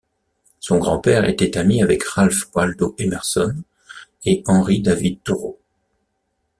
Son grand-père était ami avec Ralph Waldo Emerson et Henry David Thoreau.